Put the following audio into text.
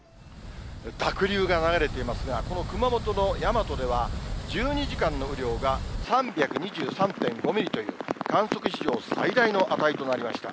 濁流が流れていますが、この熊本の山都では、１２時間の雨量が３２３．５ミリという、観測史上最大の値となりました。